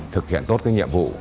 thực hiện tốt cái nhiệm vụ